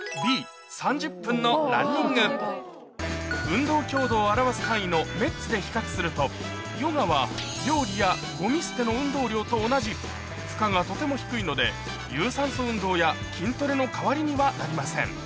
運動強度を表す単位のメッツで比較するとヨガは料理やゴミ捨ての運動量と同じ負荷がとても低いので有酸素運動や筋トレの代わりにはなりません